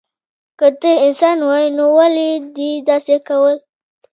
که ته انسان وای نو ولی دی داسی کول